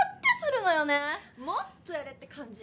もっとやれって感じ？